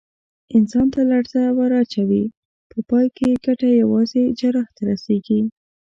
انسان ته لړزه ور اچوي، په پای کې یې ګټه یوازې جراح ته رسېږي.